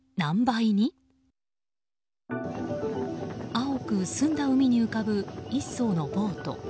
青く澄んだ海に浮かぶ１艘のボート。